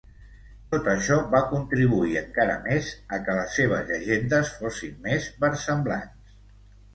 Tot això va contribuir encara més a què les seves llegendes fossin més versemblants.